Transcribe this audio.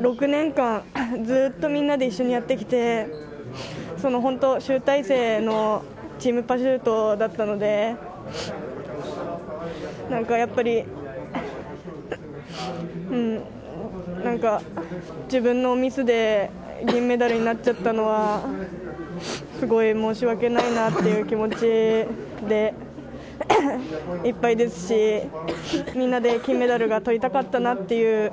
６年間、ずっとみんなで一緒にやってきて、その本当、集大成のチームパシュートだったので、なんかやっぱり、なんか、自分のミスで銀メダルになっちゃったのは、すごい申し訳ないなっていう気持ちでいっぱいですし、みんなで金メダルがとりたかったなっていう。